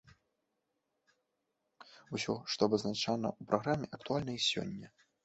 Усё, што абазначана ў праграме, актуальна і сёння!